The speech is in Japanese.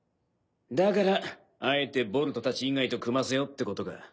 だからあえてボルトたち以外と組ませようってことか。